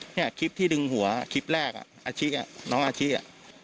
เนี่ยคริปที่ดึงหัวคลิปแรกอาชีพน้องอาชีพ